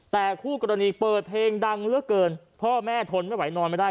แต่คู่กรณีเปิดเพลงดังเหลือเกินพ่อแม่ทนไม่ไหวนอนไม่ได้